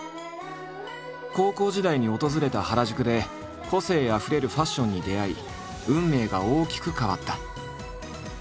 高校時代に訪れた原宿で個性あふれるファッションに出会い運命が大きく変わった。